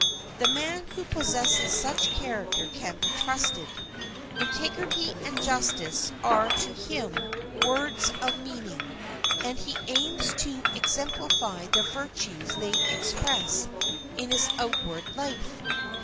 The man who possesses such character can be trusted. Integrity and justice are to him words of meaning, and he aims to exemplify the virtues they express in his outward life.